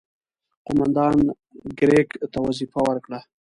قوماندان کرېګ ته وظیفه ورکړه.